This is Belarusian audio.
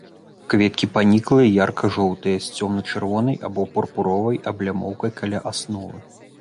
Кветкі паніклыя, ярка-жоўтыя, з цёмна-чырвонай або пурпуровай аблямоўкай каля асновы.